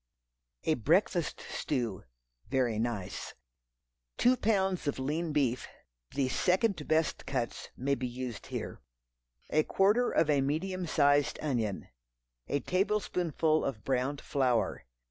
A Breakfast Stew (very nice). Two pounds of lean beef. (The "second best cuts" may be used here.) A quarter of a medium sized onion. A tablespoonful of browned flour.